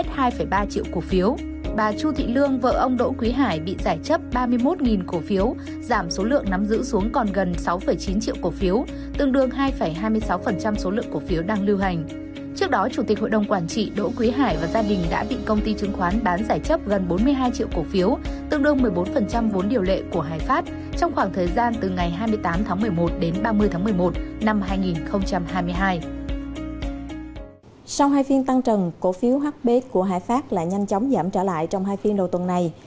trong trần cổ phiếu hb của hải pháp lại nhanh chóng giảm trả lại trong hai phiên đầu tuần này